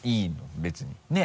別にねぇ。